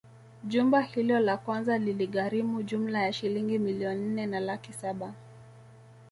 Jumba hilo la kwanza liligharimu jumla ya Shilingi milioni nne na laki Saba